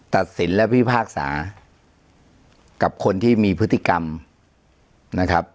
ตัดสินและพิพากษากับคนที่มีพฤติกรรมนะครับ